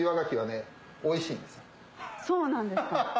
そうなんですか？